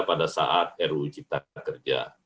pada saat ru cipta kerja